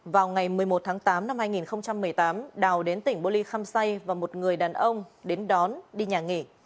vào ngày một mươi một tháng tám năm hai nghìn một mươi tám đào đến tỉnh bô ly khăm say và một người đàn ông đến đón đi nhà nghỉ